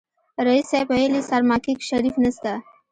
ريس صيب ويلې سرماکيک شريف نسته.